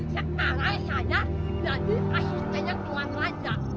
sekarang saya jadi asistenya uang raja